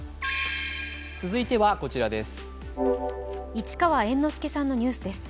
市川猿之助さんのニュースです。